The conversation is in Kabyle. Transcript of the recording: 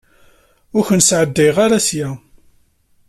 Ur ken-sɛeddayeɣ seg-a.